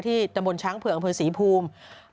ที่ตำบลช้างเผื่ออำเภอสีภูมิ